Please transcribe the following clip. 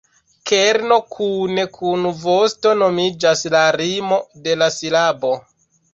Kerno kune kun vosto nomiĝas la "rimo" de la silabo.